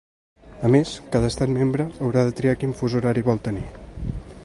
A més, cada estat membre haurà de triar quin fus horari vol tenir.